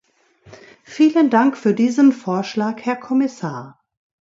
Vielen Dank für diesen Vorschlag, Herr Kommissar.